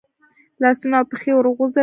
لاسونه او پښې ورغوڅوي.